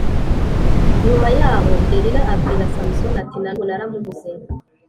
nyuma yaho delila abwira samusoni ati na n ubu naramubuze